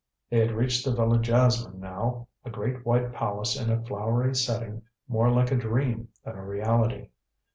They had reached the Villa Jasmine now, a great white palace in a flowery setting more like a dream than a reality.